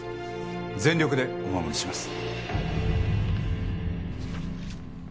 全力でお護りします。